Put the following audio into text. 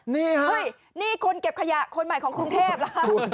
นี่ฮะฮ่ยนี่คนเก็บขยะคนใหม่ของกรุงเทพฯละครับ